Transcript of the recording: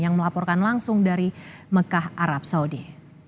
yang melaporkan langsung dari mekah arab saudi